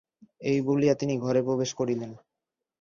এই বলিয়া তিনি ঘরে প্রবেশ করিলেন।